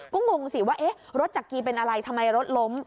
ก็งงสิว่ารถจักรีเป็นอะไรทำไมรถล้ม